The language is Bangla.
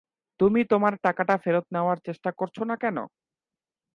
তুমি তোমার টাকাটা ফেরত নেওয়ার চেষ্টা করছ না কেন?